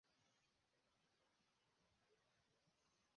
Matt Dillon fue la estrella invitada, como Louie.